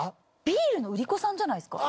ビールの売り子さんじゃないですか？